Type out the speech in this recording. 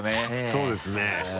そうですね。